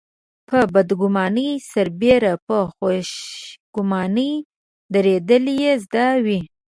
په بدګماني سربېره په خوشګماني درېدل يې زده وي.